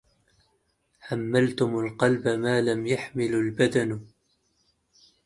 حملتم القلب ما لا يحمل البدن